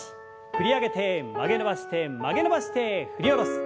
振り上げて曲げ伸ばして曲げ伸ばして振り下ろす。